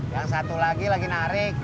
yang satu lagi lagi narik